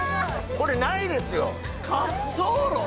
これないですよ滑走路？